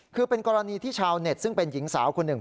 คือเป็นกรณีที่ชาวเน็ตซึ่งเป็นหญิงสาวคนหนึ่ง